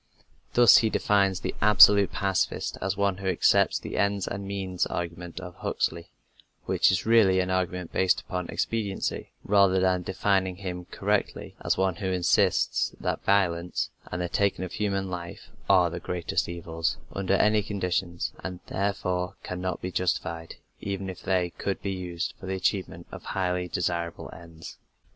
" Thus he defines the absolute pacifist as one who accepts the ends and means argument of Huxley, which is really an argument based upon expediency, rather than defining him correctly as one who insists that violence and the taking of human life are the greatest evils, under any conditions, and therefore cannot be justified, even if they could be used for the achievement of highly desirable ends.